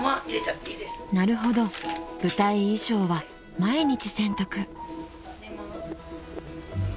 ［なるほど舞台衣装は毎日洗濯］